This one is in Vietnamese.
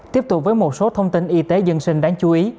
tiếp tục với một số thông tin y tế dân sinh đáng chú ý